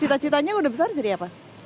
cita citanya udah besar jadi apa